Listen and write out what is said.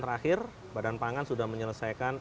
terakhir badan pangan sudah menyelesaikan